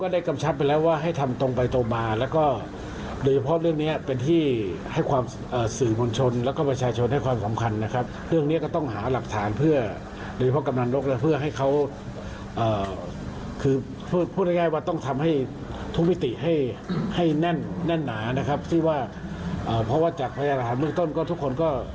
นั่นหนานะครับที่ว่าเอ่อเพราะว่าจากภายละหารเมืองต้นก็ทุกคนก็